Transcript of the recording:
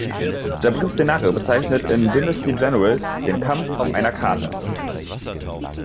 Der Begriff „Szenario“ bezeichnet in Dynasty General den Kampf auf einer Karte.